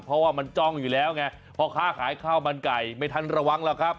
เพราะว่ามันจ้องอยู่แล้วไงพ่อค้าขายข้าวมันไก่ไม่ทันระวังหรอกครับ